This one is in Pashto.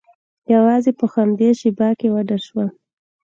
یوازې په همدې شیبې کې وډار شوم